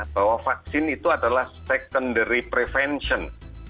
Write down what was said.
bahwa vaksin itu adalah secondary prevention